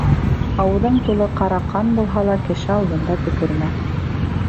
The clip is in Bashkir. Ауыҙың тулы ҡара ҡан булһа ла, кеше алдында төкөрмә.